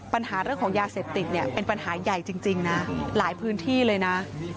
ปัญหาเรื่องของยาเสพติดเนี่ยเป็นปัญหาใหญ่จริงนะหลายพื้นที่เลยนะ